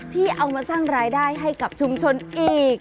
ที่เอามาสร้างรายได้ให้กับชุมชนอีก